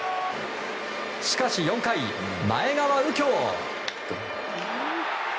しかし４回、前川右京。